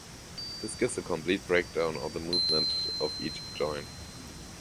This gives a complete breakdown of the movement of each joint.